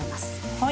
はい。